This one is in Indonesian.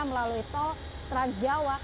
melalui tol trans jawa